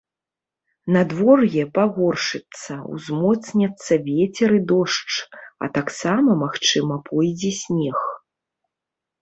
Надвор'е пагоршыцца, узмоцняцца вецер і дождж, а таксама, магчыма, пойдзе снег.